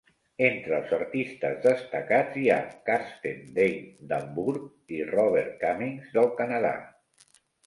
Entre els artistes destacats hi ha Carsten Dane d'Hamburg i Robert Cummings del Canadà.